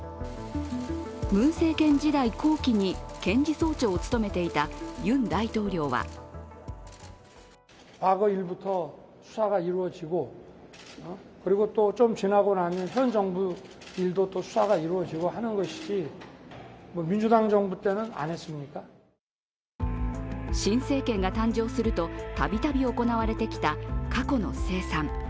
ムン政権時代後期に検事総長を務めていたユン大統領は新政権が誕生すると、たびたび行われてきた過去の清算。